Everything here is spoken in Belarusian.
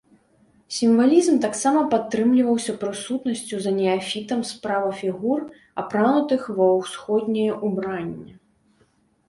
Сімвалізм таксама падтрымліваўся прысутнасцю за неафітам справа фігур, апранутых ва ўсходняе ўбранне.